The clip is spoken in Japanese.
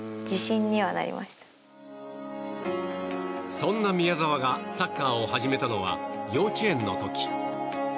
そんな宮澤がサッカーを始めたのは幼稚園の時。